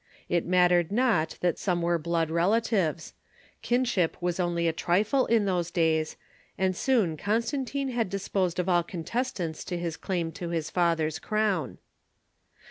It mattered not that some were blood relatives. Kinship was onlj^ a trifle in those days, and soon Constantine had disposed of all contestants to his claim to his father's crown.